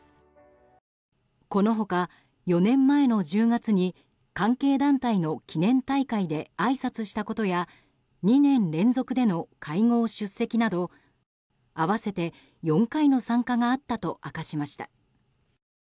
この他、４年前の１０月に関係団体の記念大会であいさつしたことや２年連続での会合出席など合わせて４回の参加があったと明かしました。